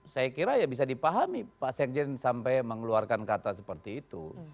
saya kira ya bisa dipahami pak sekjen sampai mengeluarkan kata seperti itu